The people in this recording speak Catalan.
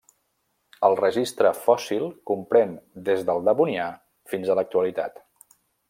El registre fòssil comprèn des del Devonià fins a l'actualitat.